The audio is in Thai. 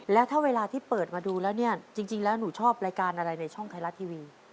แล้วถ้าเวลาที่เปิดมาดูแล้วเนี่ยจริงแล้วหนูชอบรายการอะไรในช่องไทยรัฐทีวี